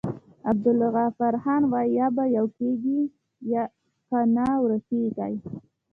عبدالغفارخان وايي: یا به يو کيږي که نه ورکيږی.